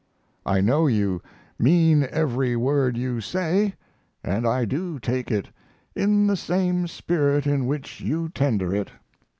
I know you "mean every word you say" and I do take it "in the same spirit in which you tender it."